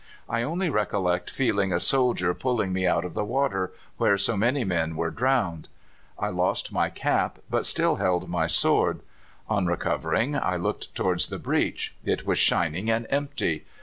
I only recollect feeling a soldier pulling me out of the water, where so many men were drowned. I lost my cap, but still held my sword. On recovering, I looked towards the breach. It was shining and empty!